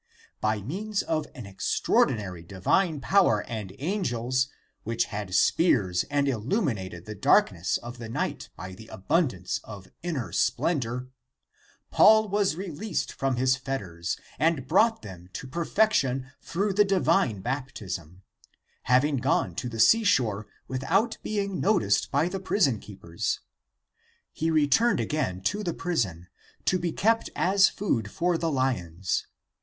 By means of an extraordinary divine power and angels, which had spears and illuminated the darkness of the night by the abundance of inner splendor, Paul was released from his fetters and brought them to perfection through the divine baptism, having gone to the seashore without being noticed by the prison keepers. He returned again to the prison, to be kept as food for the lions.